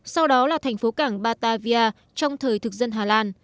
sau đó là thành phố cảng batavia trong thời thực dân hà lan